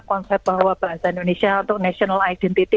konsep bahwa bahasa indonesia untuk national identity